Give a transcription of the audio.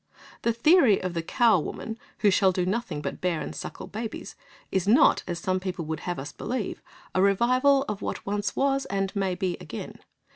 The theory of the cow woman, who shall do nothing but bear and suckle babies, is not, as some people would have us believe, a revival of what once was and may be again.